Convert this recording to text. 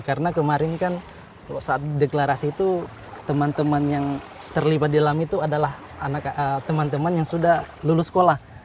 karena kemarin kan saat deklarasi itu teman teman yang terlibat di dalam itu adalah teman teman yang sudah lulus sekolah